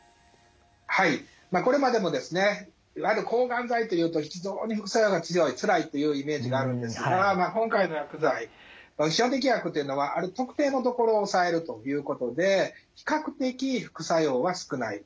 はいこれまでもですねいわゆる抗がん剤というと非常に副作用が強いつらいというイメージがあるんですが今回の薬剤分子標的薬というのはある特定の所を抑えるということで比較的副作用は少ない。